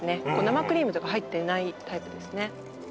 生クリームとか入っていないタイプですね